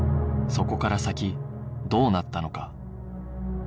そこから先どうなったのか？